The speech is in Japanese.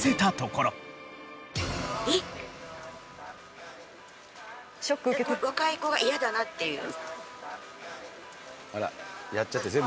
これ若い子が嫌だなっていう？